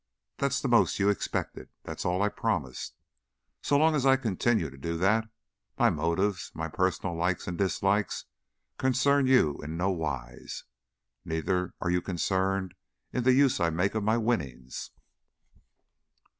That's the most you expected; that's all I promised. So long as I continue to do that, my motives, my personal likes and dislikes, concern you in no wise. Neither are you concerned in the use I make of my winnings."